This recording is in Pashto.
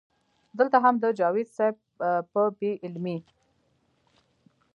دلته هم د جاوېد صېب پۀ بې علمۍ